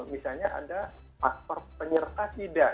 misalnya ada faktor penyerta tidak